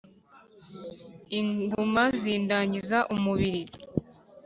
inguma zindangiza umubiri